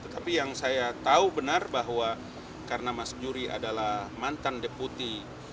tapi yang saya tahu benar bahwa karena mas juri adalah mantan deputi